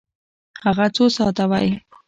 هغه څو ساعته وی؟